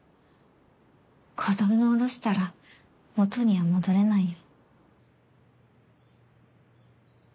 子供をおろしたら元には戻れないよ。